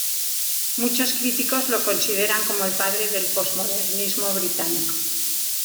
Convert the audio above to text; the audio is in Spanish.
Muchos críticos lo consideran como el padre del postmodernismo británico.